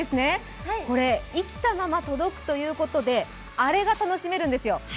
これ、生きたまま届くということで、あれが楽しめるんですよ。